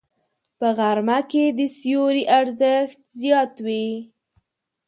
په غرمه کې د سیوري ارزښت زیات وي